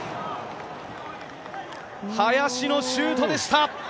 林のシュートでした。